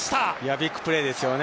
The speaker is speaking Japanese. ビッグプレーですよね。